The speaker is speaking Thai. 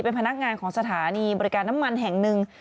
เป็นพนักงานของสถานีบริการน้ำมันแห่งหนึ่ง